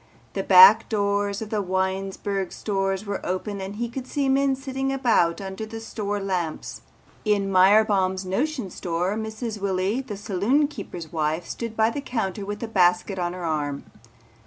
The back doors of the Winesburg stores were open and he could see men sitting about under the store lamps. In Myerbaum's Notion Store Mrs. Willy the saloon keeper's wife stood by the counter with a basket on her arm.